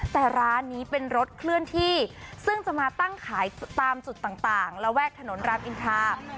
แต่ร้านนี้เป็นรถเคลื่อนที่ซึ่งจะมาตั้งขายตามจุดต่างระแวกถนนรามอินทรา